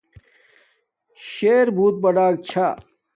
شر بُوٹ بڑک چھا